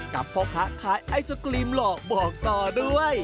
พ่อค้าขายไอศกรีมหลอกบอกต่อด้วย